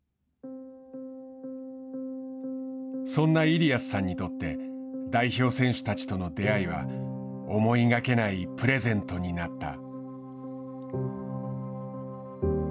そんなイリヤスさんにとって代表選手たちとの出会いは思いがけないプレゼントになった。